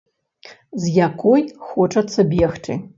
З якой хочацца бегчы.